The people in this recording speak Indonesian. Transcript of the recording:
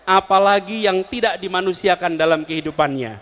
apalagi yang tidak dimanusiakan dalam kehidupannya